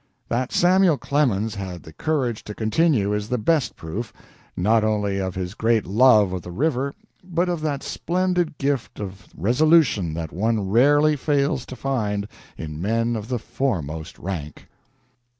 That Samuel Clemens had the courage to continue is the best proof, not only of his great love of the river, but of that splendid gift of resolution that one rarely fails to find in men of the foremost rank.